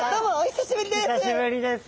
久しぶりです。